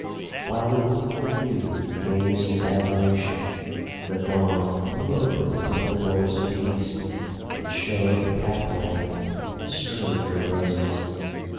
While the wilful youth gazed in admiration, the Dawn threw open the purple doors of the East, and showed the pathway strewn with roses.